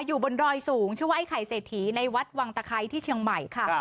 อยู่บนดอยสูงชื่อว่าไอ้ไข่เศรษฐีในวัดวังตะไคร้ที่เชียงใหม่ค่ะ